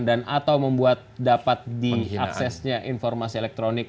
dan atau membuat dapat diaksesnya informasi elektronik